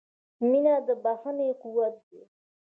• مینه د بښنې قوت دی.